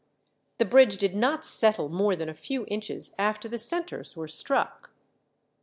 The bridge did not settle more than a few inches after the centres were struck.